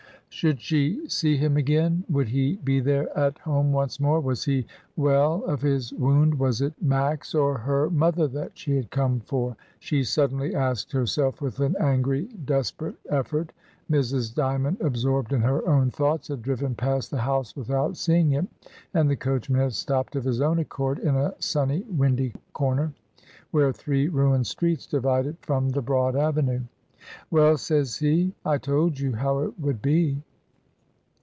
Should she see him again, would he be there at home once more, was he well of his wound, was it — was it Max or her mother that she had come for? she suddenly asked herself with an angry, de sperate effort Mrs. Djmiond, absorbed in her own thoughts, had driven past the house without seeing it, and the coachman had stopped of his own accord in a sunny, windy comer, where three ruined streets divided from the broad avenue. "Well!" says he, "I told you how it would be."